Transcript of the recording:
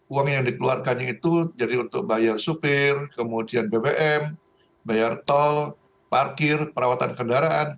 uang yang dikeluarkannya itu jadi untuk bayar supir kemudian bbm bayar tol parkir perawatan kendaraan